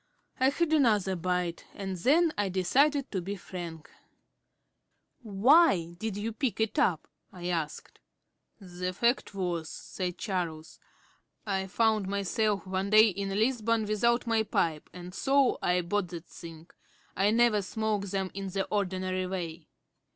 I had another bite, and then I decided to be frank. "Why did you pick it up?" I asked. "The fact was," said Charles, "I found myself one day in Lisbon without my pipe, and so I bought that thing; I never smoke them in the ordinary way."